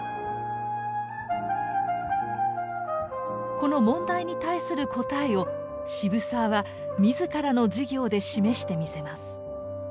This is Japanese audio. この問題に対する答えを渋沢は自らの事業で示してみせます。